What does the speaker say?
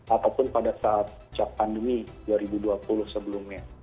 ataupun pada saat pandemi dua ribu dua puluh sebelumnya